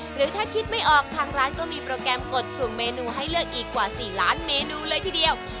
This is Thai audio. หรือถ้าคิดไม่ออกทางร้านก็มีโปรแกรมกดสุ่มเมนูให้เลือกอีกกว่า๔ล้านเมนูเลยทีเดียว